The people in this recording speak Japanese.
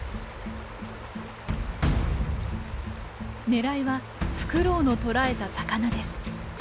狙いはフクロウの捕らえた魚です。